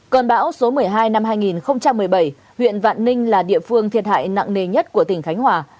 cơn bão số một mươi hai năm hai nghìn một mươi bảy huyện vạn ninh là địa phương thiệt hại nặng nề nhất của tỉnh khánh hòa